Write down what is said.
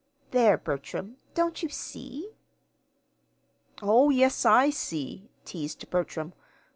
There, Bertram, don't you see?" "Oh, yes, I see," teased Bertram.